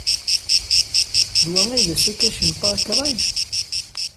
D wa ay d asakac n Park Ridge?